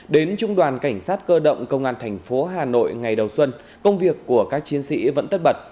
đến trung đoàn cảnh sát cơ động công an thành phố hà nội ngày đầu xuân công việc của các chiến sĩ vẫn tất bật